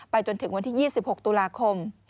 จนถึงวันที่๒๖ตุลาคม